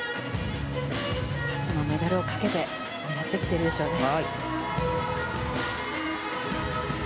初のメダルをかけて狙ってきているでしょうね。